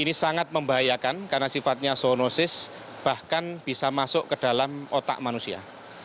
ini sangat membahayakan karena sifatnya zoonosis bahkan bisa masuk ke dalam otak manusia